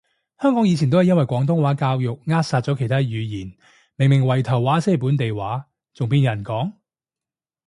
香港以前都係因為行廣東話教育扼殺咗其他語言，明明圍頭話先係本地話，仲邊有人講？